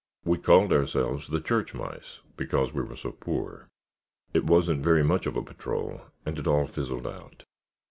"We called ourselves the 'Church Mice' because we were so poor. It wasn't very much of a patrol and it all fizzled out."